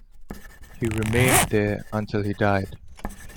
He remained there until he died.